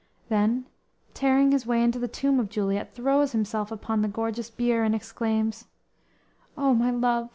Then, tearing his way into the tomb of Juliet throws himself upon the gorgeous bier and exclaims: _"Oh, my love!